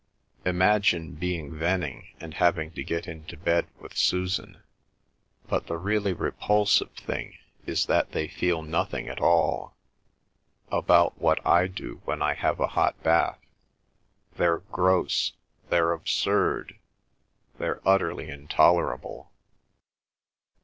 Imagine being Venning and having to get into bed with Susan! But the really repulsive thing is that they feel nothing at all—about what I do when I have a hot bath. They're gross, they're absurd, they're utterly intolerable!"